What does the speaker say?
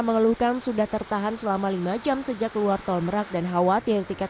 mengeluhkan sudah tertahan selama lima jam sejak keluar tol merak dan khawatir tiket